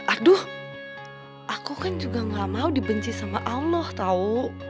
aduh aku kan juga gak mau dibenci sama allah tau